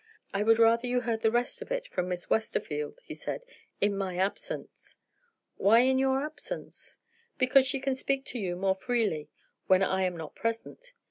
"I would rather you heard the rest of it from Miss Westerfield," he said, "in my absence." "Why in your absence?" "Because she can speak to you more freely, when I am not present.